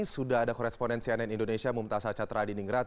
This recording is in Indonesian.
sudah ada koresponen cnn indonesia mumtasa catra di ningrat